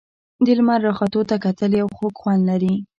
د لمر راختو ته کتل یو خوږ خوند لري.